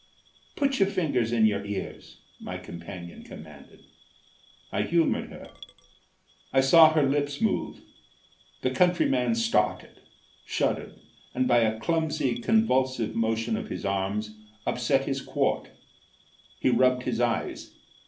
"Put your fingers in your ears," my companion commanded. I humoured her. I saw her lips move. The countryman started, shuddered, and by a clumsy, convulsive motion of his arms, upset his quart. He rubbed his eyes.